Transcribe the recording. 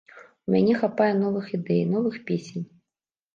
У мяне хапае новых ідэй, новых песень.